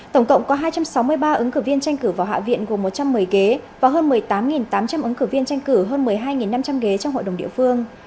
tổng cộng có hai trăm sáu mươi ba ứng cử viên tranh cử vào hạ viện gồm một trăm một mươi ghế và hơn một mươi tám tám trăm linh ứng cử viên tranh cử hơn một mươi hai năm trăm linh ghế trong hội đồng địa phương